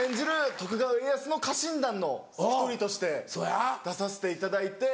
徳川家康の家臣団の１人として出させていただいて。